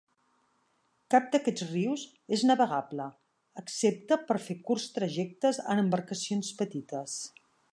Cap d'aquests rius és navegable, excepte per fer curts trajectes en embarcacions petites.